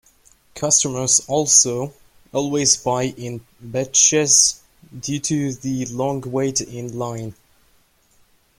Customers also always buy in batches due to the long wait in line.